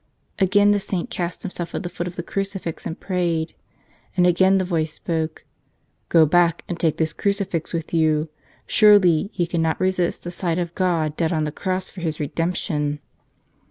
Again the Saint cast himself at the foot of the crucifix and prayed. And again the voice spoke, 'Go back and take this crucifix with you. Surely, he cannot resist the sight of God dead on the cross for his redemption